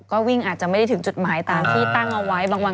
ก็อาจจะไม่ได้ถึงจุดหมายตามที่ตั้งเอาไว้